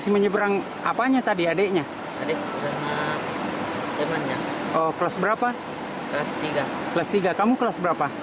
menyingkirkan tenaga kewajiban kebolehan is scout hub untuk cak numa bo company